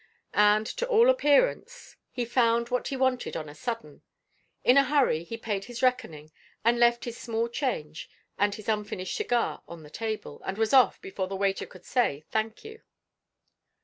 And, to all appearance, he found what he wanted on a sudden. In a hurry he paid his reckoning, and left his small change and his unfinished cigar on the table, and was off before the waiter could say, "Thank you."